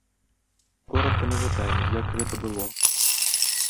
Коратка нагадаем, як гэта было.